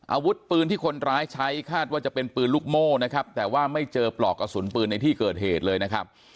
อาวุธปืนที่คนร้ายใช้คาดว่าจะเป็นปืนลูกโม่นะครับแต่ว่าไม่เจอปลอกกระสุนปืนในที่เกิดเหตุเลยนะครับ